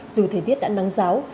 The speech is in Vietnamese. dù thời tiết đã nắng giáo